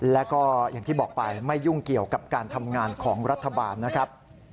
แล้วก็อย่างที่บอกไปไม่ยุ่งเกี่ยวกับการทำงานของรัฐบาลนะครับ